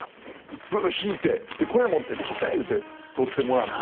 僕が引いてこれを持って撮っていうて撮ってもらって。